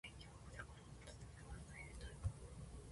電気毛布で体を包みながら外に出たい。